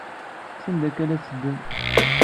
Sanda akka ay la tteddun?